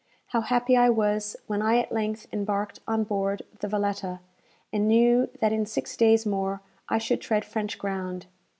How happy I was when I at length embarked on board the "Valetta," and knew that in six days more I should tread French ground!